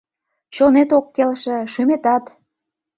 Чонет ок келше, шÿметат.